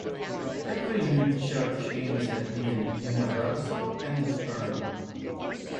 Every new church aims at being universal and eternal.